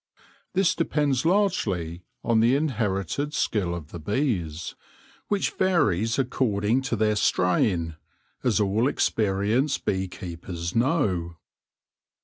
This depends largely on the inherited skill of the bees, which varies according to their strain, as all experienced bee keepers know.